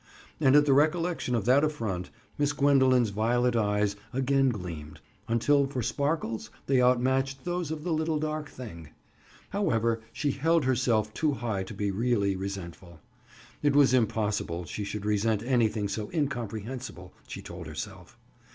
And at the recollection of that affront, Miss Gwendoline's violet eyes again gleamed, until for sparkles they out matched those of the little dark thing. However, she held herself too high to be really resentful. It was impossible she should resent anything so incomprehensible, she told herself.